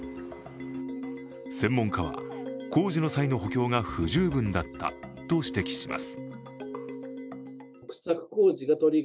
専門家は、工事の際の補強が不十分だったと指摘します。